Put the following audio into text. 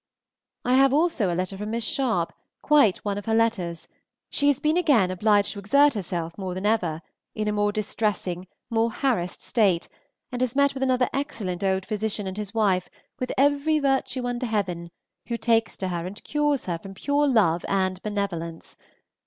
I have also a letter from Miss Sharp, quite one of her letters; she has been again obliged to exert herself more than ever, in a more distressing, more harassed state, and has met with another excellent old physician and his wife, with every virtue under heaven, who takes to her and cures her from pure love and benevolence.